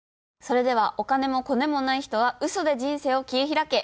それでは「お金もコネもない人はウソで人生を切り開け！」。